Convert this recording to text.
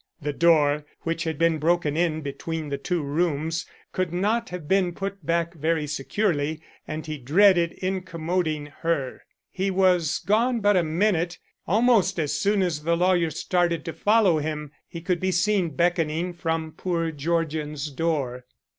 The door, which had been broken in between the two rooms, could not have been put back very securely, and he dreaded incommoding her. He was gone but a minute. Almost as soon as the lawyer started to follow him, he could be seen beckoning from poor Georgian's door.